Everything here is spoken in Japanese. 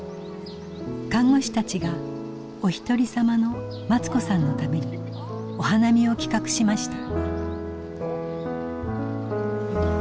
看護師たちがおひとりさまのマツ子さんのためにお花見を企画しました。